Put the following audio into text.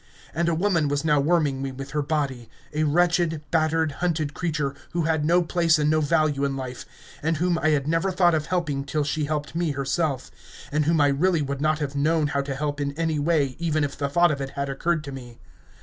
And a woman was now warming me with her body, a wretched, battered, hunted creature, who had no place and no value in life, and whom I had never thought of helping till she helped me herself, and whom I really would not have known how to help in any way even if the thought of it had occurred to me.